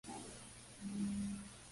Tenía treinta y seis años.